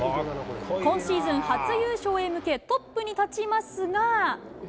今シーズン初優勝へ向け、トップに立ちますが。